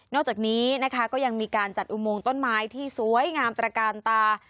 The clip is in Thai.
จากนี้นะคะก็ยังมีการจัดอุโมงต้นไม้ที่สวยงามตระกาลตา